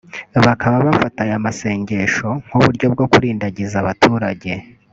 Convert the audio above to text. bakaba bafata aya masengesho nk’uburyo bwo kurindagiza abaturage